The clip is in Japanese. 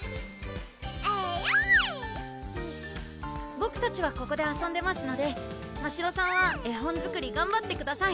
ボクたちはここで遊んでますのでましろさんは絵本作りがんばってください